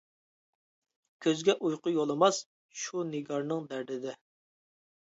كۆزگە ئۇيقۇ يولىماس، شۇ نىگارنىڭ دەردىدە.